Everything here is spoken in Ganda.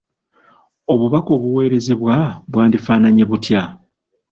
Obubaka obuweerezebwa bwandifaananye butya?